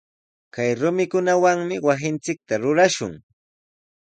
Kay rumikunawami wasinchikta rurashun.